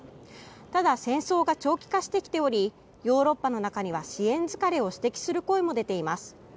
ただ、戦争が長期化してきておりヨーロッパの中には支援疲れを指摘する声も出ています。